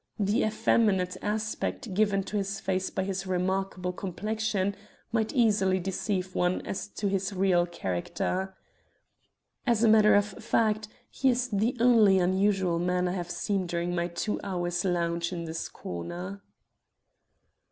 The effeminate aspect given to his face by his remarkable complexion might easily deceive one as to his real character. As a matter of fact, he is the only unusual man I have seen during my two hours' lounge in this corner."